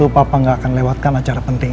bapak jelaskan secara kongkin